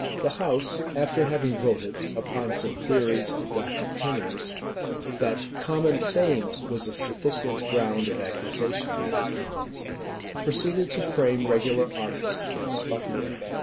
The house, after having voted, upon some queries of Dr. Turner's, "that common fame was a sufficient ground of accusation by the commons,"[*] proceeded to frame regular articles against Buckingham.